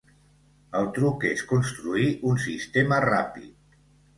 El truc és construir un sistema ràpid.